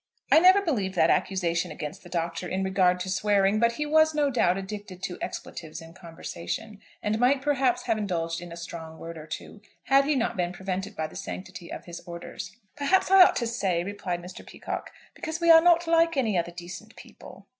I never believed that accusation against the Doctor in regard to swearing; but he was no doubt addicted to expletives in conversation, and might perhaps have indulged in a strong word or two, had he not been prevented by the sanctity of his orders. "Perhaps I ought to say," replied Mr. Peacocke, "because we are not like any other decent people."